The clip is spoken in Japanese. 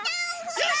よし！